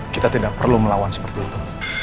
kita tidak perlu melawan seperti itu